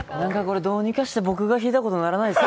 どうにかして僕が弾いたことにならないですか。